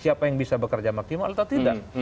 siapa yang bisa bekerja maksimal atau tidak